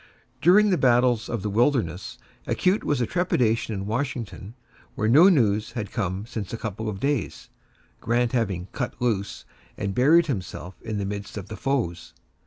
During the battles of the Wilderness, acute was the trepidation in Washington, where no news had come since a couple of days Grant having "cut loose" and buried himself in the midst of the foes.